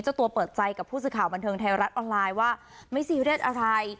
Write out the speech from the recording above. เจ้าตัวเปิดใจกับผู้สื่อข่าวบันเทิงไทยรัฐออนไลน์ว่าไม่ซีเรียสอะไร